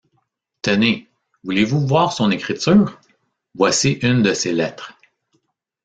Tenez, voulez-vous voir son écriture? voici une de ses lettres.